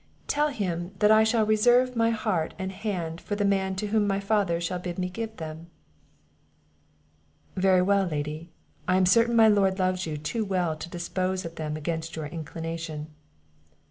"Tell him, that I shall reserve my heart and hand for the man to whom my father shall bid me give them." "Very well, Lady; I am certain my lord loves you too well to dispose of them against your inclination."